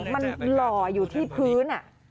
มันหล่ออยู่ที่พื้น